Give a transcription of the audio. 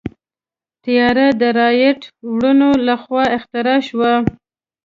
طیاره د رائټ وروڼو لخوا اختراع شوه.